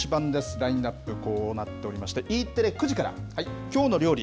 ラインナップ、こうなっておりまして、Ｅテレ９時から、きょうの料理。